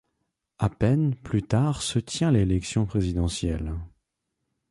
À peine plus tard se tient l'élection présidentielle.